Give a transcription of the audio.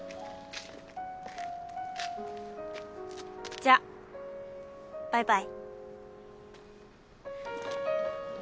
じゃあバイバイ。